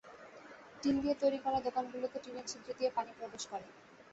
Tin দিয়ে তৈরি করা দোকানগুলোতে টিনের ছিদ্র দিয়ে পানি প্রবেশ করে।